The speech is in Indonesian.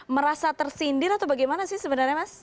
merasa tersindir atau bagaimana sih sebenarnya mas